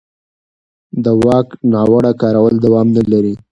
د واک ناوړه کارول دوام نه لري